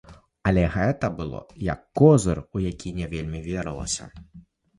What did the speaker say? Але гэта было як козыр, у які не вельмі верылася.